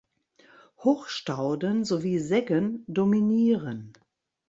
Hochstauden sowie Seggen dominieren.